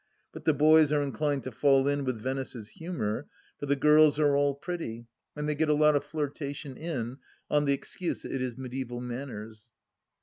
But the boys are inclined to fall in with Venice's humour, for the girls are all pretty and they get a lot of flirtation in, on the excuse that it is mediaeval manners.